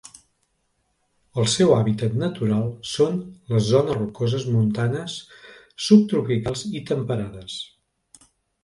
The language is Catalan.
El seu hàbitat natural són les zones rocoses montanes subtropicals i temperades.